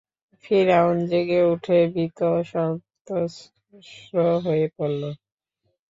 ফিরআউন জেগে উঠে ভীত-সন্ত্রস্ত হয়ে পড়ল।